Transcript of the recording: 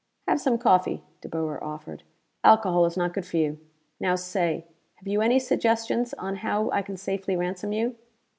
"Have some coffee," De Boer offered. "Alcohol is not good for you. Now say: have you any suggestions on how I can safely ransom you?"